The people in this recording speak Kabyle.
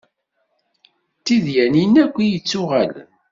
D tidyanin akk i d-yettuɣalen.